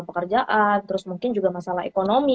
pekerjaan terus mungkin juga masalah ekonomi